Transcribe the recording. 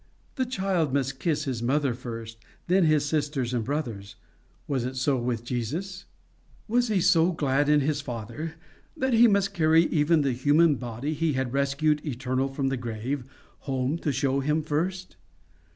The child must kiss his mother first, then his sisters and brothers: was it so with Jesus? Was he so glad in his father, that he must carry even the human body he had rescued eternal from the grave, home to show him first?